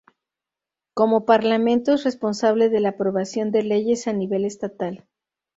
Como parlamento es responsable de la aprobación de leyes a nivel estatal.